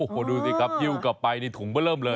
โอ้โหดูสิครับหิ้วกลับไปนี่ถุงก็เริ่มเลย